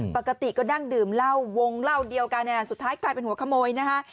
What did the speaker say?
ปกติก็นั่งดื่มเหล้าวงเหล้าเดียวกันสุดท้ายกลายเป็นหัวขโมยนะฮะ